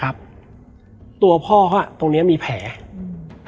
แล้วสักครั้งหนึ่งเขารู้สึกอึดอัดที่หน้าอก